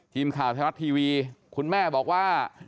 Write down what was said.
ทีมข่าวไทยรัฐทีวีคุณแม่บอกว่า